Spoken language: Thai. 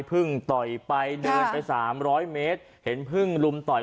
ต่อยไปเดินไปสามร้อยเมตรเห็นพึ่งลุมต่อย